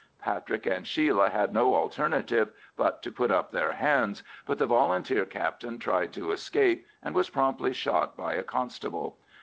Patrick and Sheila had no alternative but to put up their hands, but the Volunteer captain tried to escape, and was promptly shot by a constable.